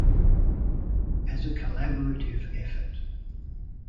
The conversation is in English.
As a collaborative effort.